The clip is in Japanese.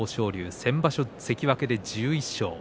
先場所関脇で１１勝。